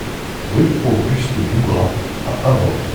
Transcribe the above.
Rue Auguste Bougrat à Avord